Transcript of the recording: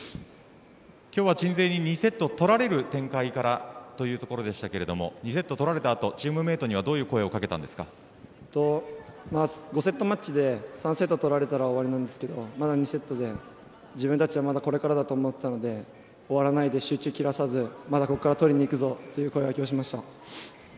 今日は鎮西に２セットを取られる展開からというところでしたが２セット取られた後チームメートには５セットマッチで３セット取られたら終わりなんですがまだ２セットで自分たちはまだこれからだと思っていたので終わらないで集中を切らさずまだここから取りに行くぞという声掛けをしました。